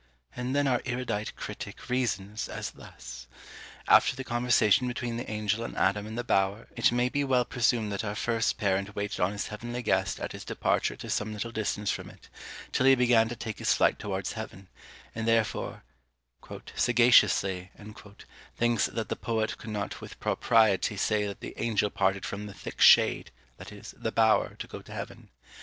And then our erudite critic reasons! as thus: After the conversation between the Angel and Adam in the bower, it may be well presumed that our first parent waited on his heavenly guest at his departure to some little distance from it, till he began to take his flight towards heaven; and therefore "sagaciously" thinks that the poet could not with propriety say that the angel parted from the thick shade, that is, the bower, to go to heaven.